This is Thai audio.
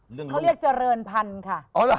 เขาเรียกเจริญพันธุ์ค่ะ